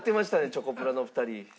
チョコプラのお二人。